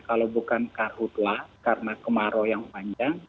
kalau bukan karhutlah karena kemarau yang panjang